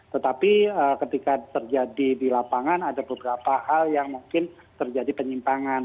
tetapi ketika terjadi di lapangan ada beberapa hal yang mungkin terjadi penyimpangan